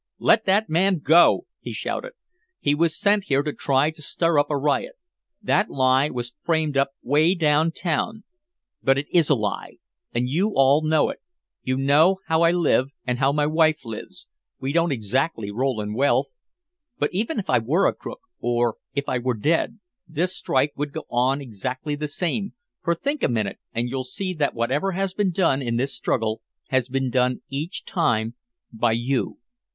"Let that man go!" he shouted. "He was sent here to try to stir up a riot. That lie was framed up 'way downtown! But it is a lie and you all know it you know how I live and how my wife lives we don't exactly roll in wealth! But even if I were a crook, or if I were dead, this strike would go on exactly the same for think a minute and you'll see that whatever has been done in this struggle has been done each time by you.